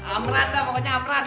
amran lah pokoknya amran